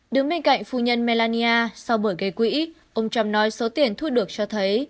đứng bên cạnh phu nhân melania sau buổi gây quỹ ông trump nói số tiền thu được cho thấy